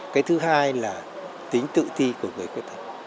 cái thứ hai là tính tự ti của người khuyết tật